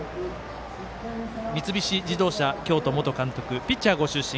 三菱自動車京都元監督ピッチャーご出身